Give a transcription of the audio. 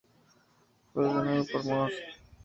Fue ordenado por Mons.